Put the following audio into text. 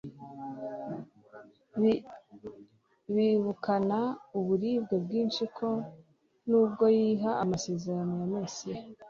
Bibukana uburibwe bwinshi ko nubwo yiha amasezerano ya Mesiya